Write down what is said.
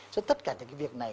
cho tất cả những việc này